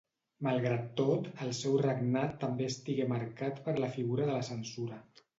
Malgrat tot, el seu regnat també estigué marcat per la figura de la censura.